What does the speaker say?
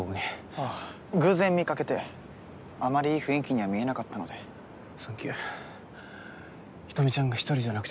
あっ偶然見かけてあまりいい雰囲気には見えなかったのでサンキュー人見ちゃんが１人じゃなくてよかった